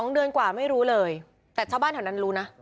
๒เดือนกว่าไม่รู้เลยแต่ชาวบ้านแถวนั้นรู้นะ